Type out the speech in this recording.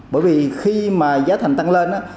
bởi vì khi giá thành tăng lên